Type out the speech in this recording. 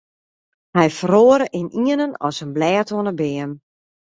Hy feroare ynienen as in blêd oan 'e beam.